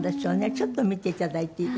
ちょっと見て頂いていいですか？